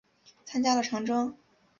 参加了长征。